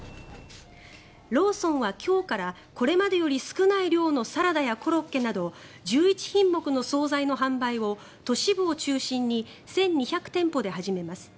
ローソンは今日からこれまでより少ない量のサラダやコロッケなど１１品目の総菜の販売を都市部を中心に１２００店舗で始めます。